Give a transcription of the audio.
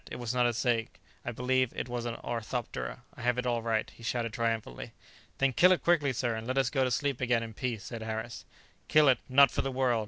it was not a snake; I believe it was an orthoptera; I have it all right," he shouted triumphantly. "Then kill it quickly, sir; and let us go to sleep again in peace," said Harris. "Kill it! not for the world!